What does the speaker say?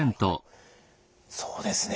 そうですね。